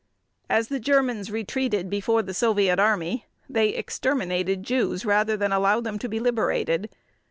As the Germans retreated before the Soviet Army they exterminated Jews rather than allow them to be liberated.